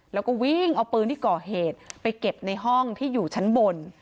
แล้วก็วิ่งเอาปืนที่ก่อเหตุไปเก็บในห้องที่อยู่ชั้นบน